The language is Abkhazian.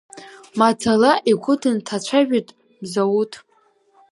Маӡала игәы дынҭацәажәеит Мзауҭ.